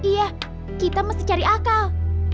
iya kita mesti cari akal